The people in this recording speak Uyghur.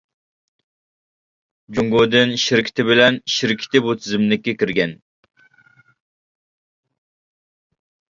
جۇڭگودىن شىركىتى بىلەن شىركىتى بۇ تىزىملىككە كىرگەن.